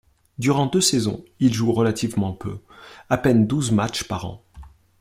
Durant deux saisons, il joue relativement peu, à peine douze matches par an.